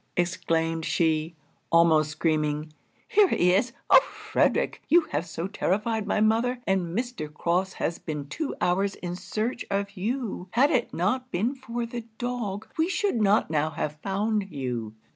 exclaimed she, almost screaming, 'here he is! Oh Frederic, you have so terrified my mother! and Mr. Crofts has been two hours in search of you. Had it not been for the dog, we should not now have found you.